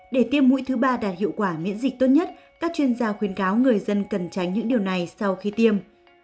để tiêm mũi thứ ba đạt hiệu quả miễn dịch tốt nhất các chuyên gia khuyến cáo người dân cần tránh những điều này sau khi tiêm